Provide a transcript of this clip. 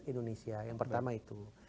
indonesia yang pertama itu